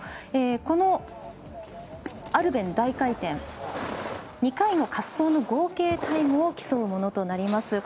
このアルペン大回転２回の滑走の合計タイムを競うものとなります。